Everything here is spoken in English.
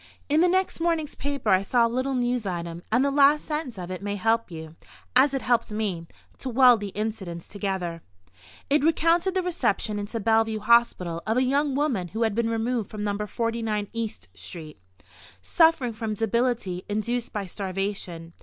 In the next morning's paper I saw a little news item, and the last sentence of it may help you (as it helped me) to weld the incidents together. It recounted the reception into Bellevue Hospital of a young woman who had been removed from No. 49 East –––– street, suffering from debility induced by starvation.